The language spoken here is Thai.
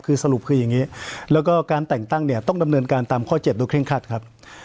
คือสรุปคืออย่างนี้แล้วก็การแต่งตั้งเนี่ยต้องดำเนินการตามข้อ๗โดยเร่งคัดครับ